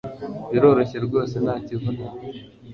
biroroshye rwose ntakivunanye